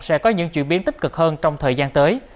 sẽ có những chuyển biến tích cực hơn trong thời gian tới